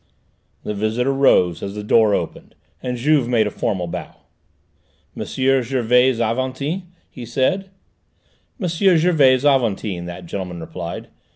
The visitor rose as the door opened, and Juve made a formal bow. "M. Gervais Aventin?" he said. "M. Gervais Aventin," that gentleman replied.